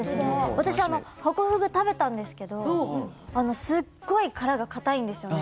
私、ハコフグ食べたんですけどすっごい殻がかたいんですよね。